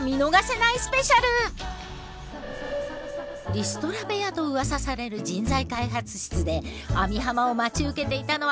リストラ部屋とうわさされる人材開発室で網浜を待ち受けていたのはこの３人。